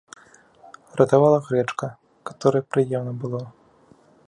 Ратавала грэчка, каторай прыемна было.